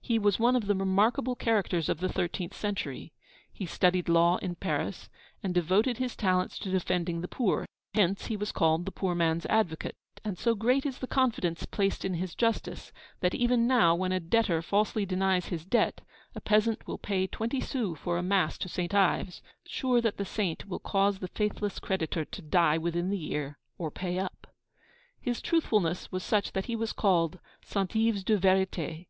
He was one of the remarkable characters of the thirteenth century. He studied law in Paris, and devoted his talents to defending the poor; hence, he was called 'the poor man's advocate:' and so great is the confidence placed in his justice, that, even now, when a debtor falsely denies his debt, a peasant will pay twenty sous for a mass to St. Ives, sure that the Saint will cause the faithless creditor to die within the year or pay up. His truthfulness was such that he was called 'St. Yves de vérité.'